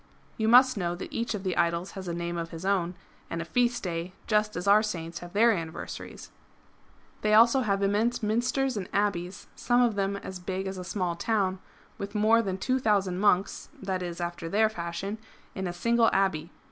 You must know that each of the idols has a name of his own, and a feast day, just as our Saints have their anniversaries.^^ They have also immense Minsters and Abbeys, some of them as big as a small town, with more than two thousand monks {i.e. after their fashion) in a single abbey.